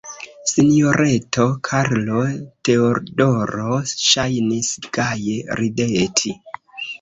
Sinjoreto Karlo-Teodoro ŝajnis gaje rideti.